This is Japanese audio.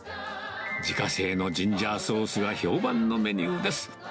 自家製のジンジャーソースが評判のメニューです。